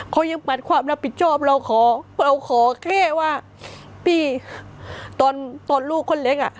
เขายังปัดความรับผิดชอบเราขอเราขอแค่ว่าพี่ตอนลูกคนเล็กอ่ะ